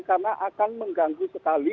karena akan mengganggu sekali